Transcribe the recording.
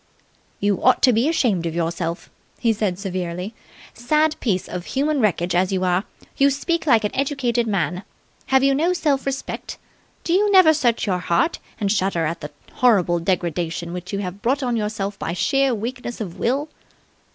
"You ought to be ashamed of yourself," he said severely. "Sad piece of human wreckage as you are, you speak like an educated man. Have you no self respect? Do you never search your heart and shudder at the horrible degradation which you have brought on yourself by sheer weakness of will?"